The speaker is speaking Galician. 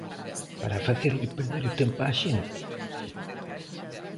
¿Para facerlle perder o tempo á xente?